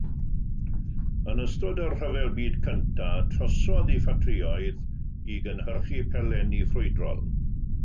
Yn ystod y Rhyfel Byd Cyntaf, trosodd ei ffatrïoedd i gynhyrchu pelenni ffrwydrol.